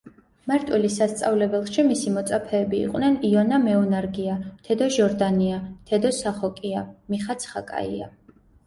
მარტვილის სასწავლებელში მისი მოწაფეები იყვნენ იონა მეუნარგია, თედო ჟორდანია, თედო სახოკია, მიხა ცხაკაია.